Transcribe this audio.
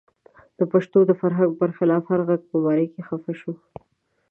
د پښتنو د فرهنګ پر خلاف هر غږ په مرۍ کې خفه شو.